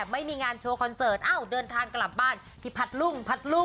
ไม่มีงานโชว์คอนเสิร์ตอ้าวเดินทางกลับบ้านที่พัดลุงพัดลุง